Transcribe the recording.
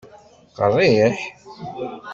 Qerriḥ?